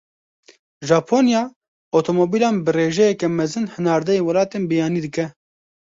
Japonya, otomobîlan bi rêjeyeke mezin hinardeyî welatên biyanî dike.